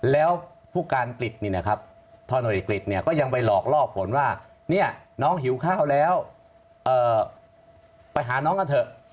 แล้วภูการกฤษธนวิทยุกฤษก็ยังไปหลอกล่อผลว่าน้องหิวข้าวแล้วไปหาน้องกันเถอะ